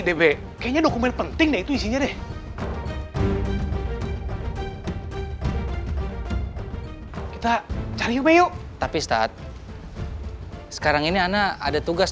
db kayaknya dokumen penting deh itu isinya deh kita cari coba yuk tapi ustadz sekarang ini ana ada tugas